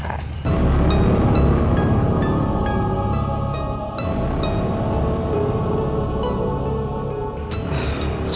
kakek guru kakek guru